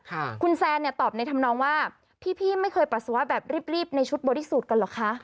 คุณแซนเนี่ยตอบในธรรมนองว่าพี่พี่ไม่เคยปัสสาวะแบบรีบรีบในชุดบริสุทธิ์กันเหรอคะ